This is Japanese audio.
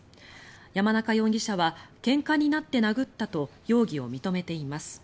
山中容疑者はけんかになって殴ったと容疑を認めています。